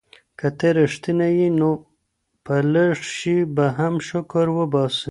که ته رښتینی یې نو په لږ شي به هم شکر وباسې.